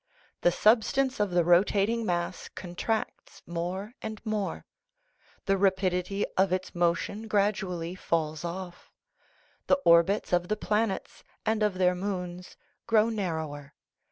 The substance of the rotating mass contracts more and more ; the rapidity of its motion gradually falls off. The orbits of the planets and of their moons grow narrower.